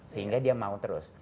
sehingga dia mau terus